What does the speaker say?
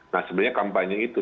nah sebenarnya kampanye itu